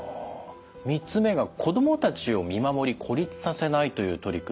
３つ目が「子どもたちを見守り孤立させない」という取り組み